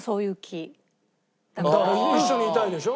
だから一緒にいたいでしょ？